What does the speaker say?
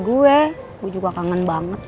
umur kita kan